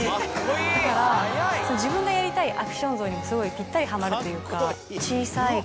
だから自分がやりたいアクション像にすごいぴったりはまるというか。